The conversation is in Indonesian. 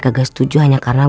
kagak setuju hanya karena